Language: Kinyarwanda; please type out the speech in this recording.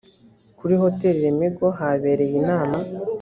kuri hotel lemigo habereye inama .